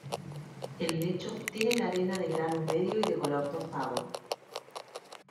El lecho tiene la arena de grano medio y de color tostado.